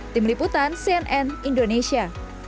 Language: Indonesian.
tim liputan cnn indonesia